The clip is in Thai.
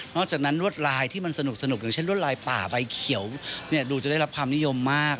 จากนั้นรวดลายที่มันสนุกอย่างเช่นรวดลายป่าใบเขียวดูจะได้รับความนิยมมาก